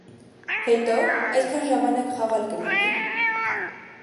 - Հետո՞, այսքան ժամանակ խաղա՞լ կլինի: